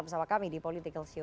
bersama kami di political show